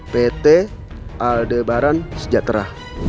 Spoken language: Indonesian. pt aldebaran sejahtera